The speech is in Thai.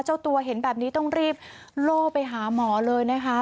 เจ้าตัวเห็นแบบนี้ต้องรีบโล่ไปหาหมอเลยนะคะ